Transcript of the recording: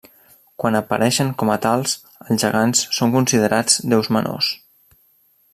Quan apareixen com a tals, els gegants són considerats déus menors.